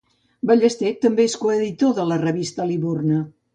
Ballester també és coeditor de la revista Liburna.